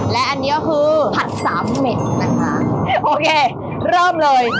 และอันนี้ก็คือผัดสามเหม็ดนะคะโอเคเริ่มเลย